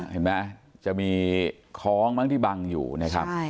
เห็นไหมจะมีคล้องมั้งที่บังอยู่นะครับ